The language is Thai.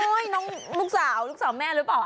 อื้ยลูกสาวแม่หรือเปล่า